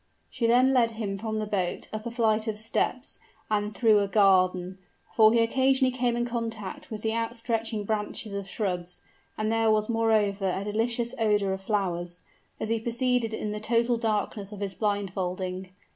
She then led him from the boat, up a flight of steps, and through a garden for he occasionally came in contact with the outstretching branches of shrubs, and there was moreover a delicious odor of flowers, as he proceeded in the total darkness of his blindfolding.